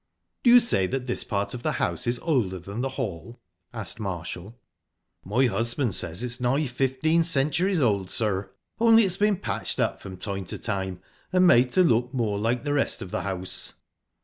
"Do you say that this part of the house is older than the hall?" asked Marshall. "My husband says it's nigh fifteen centuries old, sir, only it's been patched up from time to time, and made to look more like the rest of the house."